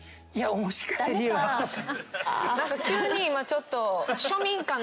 何か急に今ちょっと。